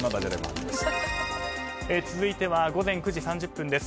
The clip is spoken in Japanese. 続いては午前９時３０分です。